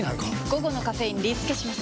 午後のカフェインリスケします！